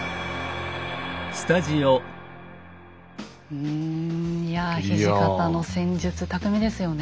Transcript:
うんいや土方の戦術巧みですよね。